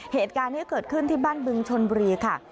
เหตุการณ์นี้เกิดขึ้นที่บ้านบึงชนบุรีค่ะ